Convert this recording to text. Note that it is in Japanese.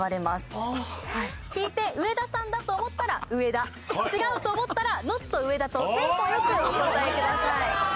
聞いて上田さんだと思ったら「上田」違うと思ったら「ＮＯＴ上田」とテンポよくお答えください。